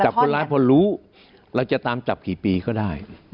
จับคนร้ายพอรู้เราจะตามจับกี่ปีก็ได้